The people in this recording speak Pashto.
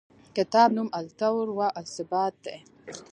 کتاب نوم التطور و الثبات دی.